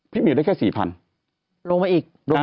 พี่เหมียวได้แค่๔๐๐๐ได้๔๐๐๐